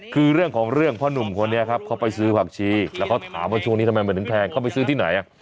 คือเรื่องของเรื่องพ่อหนุ่มคนนี้ครับเขาไปซื้อผักชีแล้วเขาถามว่าช่วงนี้ทำไมมันถึงแพงเขาไปซื้อที่ไหน